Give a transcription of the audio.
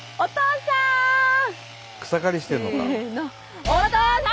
草刈りしてるのか。